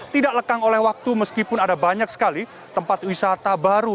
tidak lekang oleh waktu meskipun ada banyak sekali tempat wisata baru